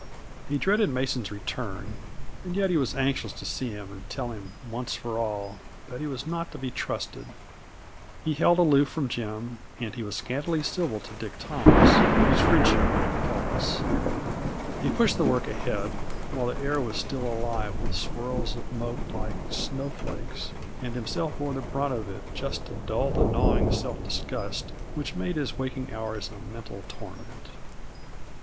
He dreaded Mason's return, and yet he was anxious to see him and tell him, once for all, that he was not to be trusted. He held aloof from Jim and he was scantily civil to Dick Thomas, whose friendship rang false. He pushed the work ahead while the air was still alive with swirls of mote like snowflakes, and himself bore the brunt of it just to dull that gnawing self disgust which made his waking hours a mental torment.